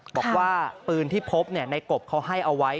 บอกว่าปืนที่พบในกบเขาให้เอาไว้